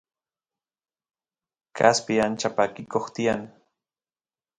kaspi ancha pakikoq tiyan